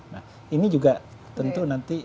nah ini juga tentu nanti